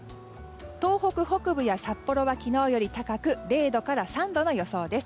東北北部や札幌は昨日より高く０度から３度の予想です。